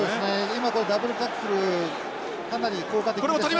今ダブルタックルかなり効果的でしたね。